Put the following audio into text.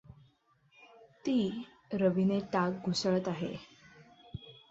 ती रवीने ताक घुसळत आहे.